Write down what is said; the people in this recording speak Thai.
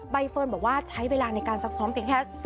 เฟิร์นบอกว่าใช้เวลาในการซักซ้อมเพียงแค่